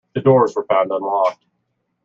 The doors were found unlocked?